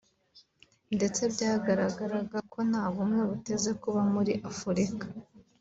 ndetse byagaragaraga ko nta bumwe buteze kuba muri Afurika